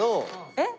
えっ！